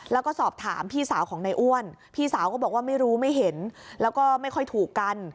แล้วก็สอบถามพี่สาวของนายอ้วนพี่สาวก็บอกว่าไม่รู้ไม่เห็นแล้วก็ไม่ค่อยถูกกัน